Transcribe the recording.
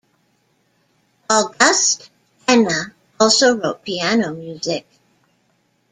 August Enna also wrote piano music.